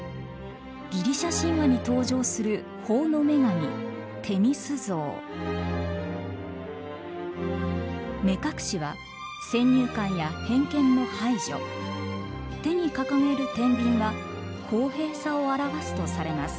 ギリシャ神話に登場する目隠しは先入観や偏見の排除手に掲げる天秤は公平さを表わすとされます。